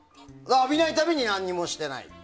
浴びないために何もしてない。